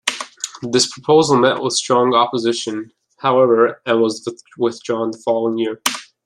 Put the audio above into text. This proposal met with strong opposition, however, and was withdrawn the following year.